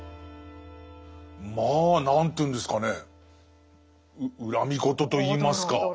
まあ何というんですかね恨み言といいますか。